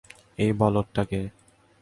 এই বলদটা কে?